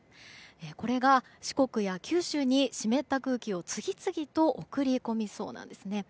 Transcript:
これが四国や九州に湿った空気を次々と送り込みそうなんですね。